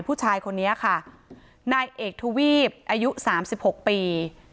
ผู้ชายคนนี้ค่ะนายเอกทวีปอายุ๓๖ปี